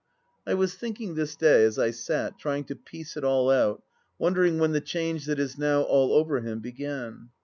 . I was thinking this day as I sat, trying to piece it all out, wondering when the change that is now all over him began